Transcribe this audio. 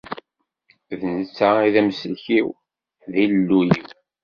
D netta i d amsellek-iw, i d Illu-iw!